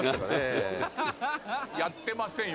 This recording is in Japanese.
やってませんよ